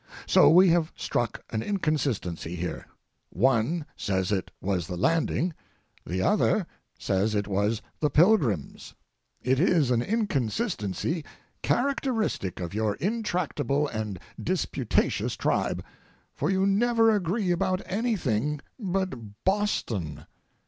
So we have struck an inconsistency here—one says it was the landing, the other says it was the Pilgrims. It is an inconsistency characteristic of your intractable and disputatious tribe, for you never agree about anything but Boston.